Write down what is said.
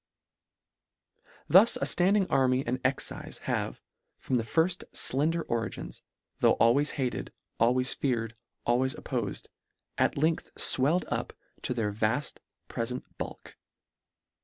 Thus a ffanding army and excife have, from the firfl flender origins, tho' always hated, always feared, always oppofed, at length fwelled up to their vaft prefent bulk.